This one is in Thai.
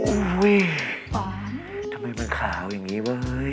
อุ้ยอุ้ยทำไมมันขาวอย่างนี้เว้ย